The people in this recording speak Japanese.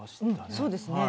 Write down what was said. そうですね。